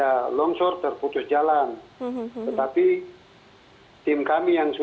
kami juga meminta para penyelamat dari kantor pencarian pertolongan palu